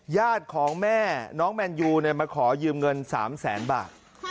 ญาติของแม่น้องแมนยูมาขอยืมเงิน๓แสนบาท